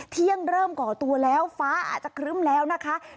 เที่ยงเริ่มก่อตัวแล้วฟ้าอาจจะครึ้มแล้วนะคะ